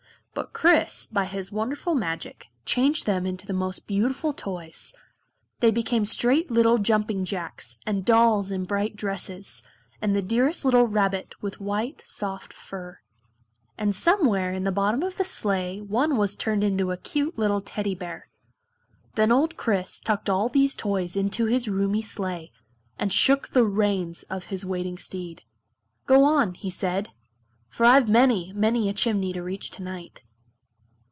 But Kris by his wonderful magic, changed them into the most beautiful toys. They became straight little jumping jacks, and dolls in bright dresses, and the dearest little rabbit with white, soft fur. And somewhere in the bottom of the sleigh one was turned into a cute little Teddy bear. Then old Kris tucked all these toys into his roomy sleigh, and shook the reins of his waiting steed. "Go on!" he said, "For I've many, many a chimney to reach tonight."